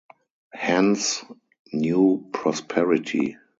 Hence "New Prosperity".